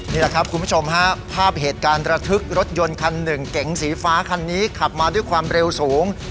นี่แหละครับคุณผู้ชมฮะภาพเหตุการณ์ระทึกรถยนต์คันหนึ่งเก๋งสีฟ้าคันนี้ขับมาด้วยความเร็วสูง